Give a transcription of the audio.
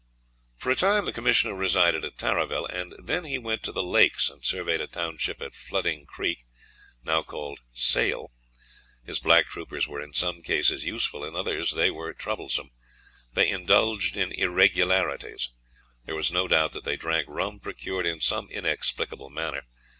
For a time the commissioner resided at Tarraville, and then he went to the lakes and surveyed a township at Flooding Creek, now called Sale. His black troopers were in some cases useful, in others they were troublesome; they indulged in irregularities; there was no doubt that they drank rum procured in some inexplicable manner.